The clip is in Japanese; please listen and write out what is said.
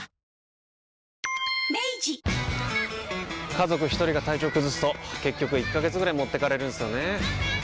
家族一人が体調崩すと結局１ヶ月ぐらい持ってかれるんすよねー。